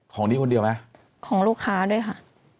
ของนี้คนเดียวไหมของลูกค้าด้วยค่ะ